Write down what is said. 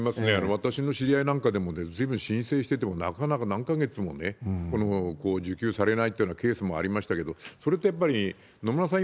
私の知り合いなんかでも、全部申請してても、なかなか、何か月も受給されないっていうようなケースもありましたけど、それってやっぱり、野村さん